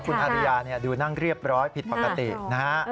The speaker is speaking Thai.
คุณอาริยาดูนั่งเรียบร้อยผิดปกตินะฮะ